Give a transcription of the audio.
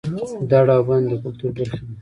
دړه او بنه د کولتور برخې دي